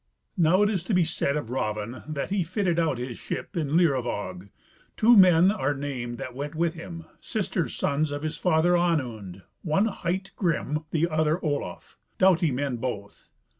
Now it is to be said of Raven that he fitted out his ship in Leiruvag; two men are named that went with him, sisters' sons of his father Onund, one hight Grim, the other Olaf, doughty men both.